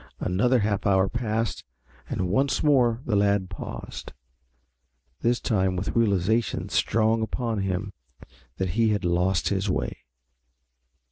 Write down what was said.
Another half hour passed and once more the lad paused, this time with the realization strong upon him that he had lost his way.